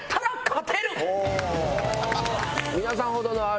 皆さんほどのＲー